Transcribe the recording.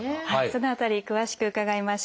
その辺り詳しく伺いましょう。